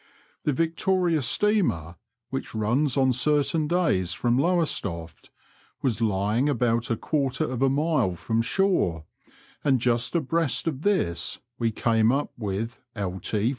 25 The Victoria steamer, which runs on certain days from Lowestoft, was lying about a quarter of a mile from shore, and just abreast of this we came up with LT 497."